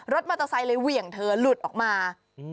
รถมอเตอร์ไซค์เลยเหวี่ยงเธอหลุดออกมา